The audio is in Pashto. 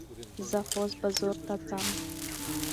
زه خوست بازور ته څم.